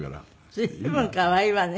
随分可愛いわね。